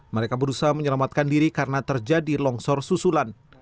mereka berusaha menyelamatkan diri karena terjadi longsor susulan